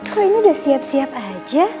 kok ini udah siap siap aja